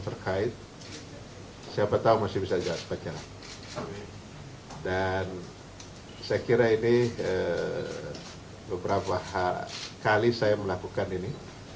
terkait siapa tahu masih bisa jalan dan saya kira ini beberapa kali saya melakukan ini